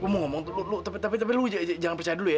gue mau ngomong ke lo tapi lo jangan percaya dulu ya